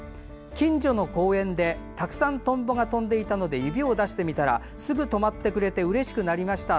近所の公園でたくさんとんぼが飛んでいたので指を出してみたらすぐ止まってくれてうれしくなりました。